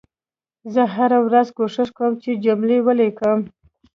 زه هره ورځ کوښښ کوم چې جملې ولیکم